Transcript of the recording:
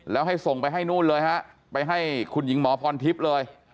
แล้วให้ส่งไปให้นู่นเลยฮะไปให้คุณหญิงหมอพรทิพย์เลย